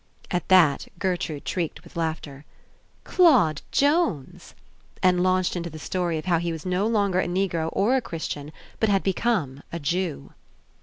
At that Gertrude shrieked with laughter. ^'Claude Jones!" and launched into the story of how he was no longer a Negro or a Christian but had become a Jew.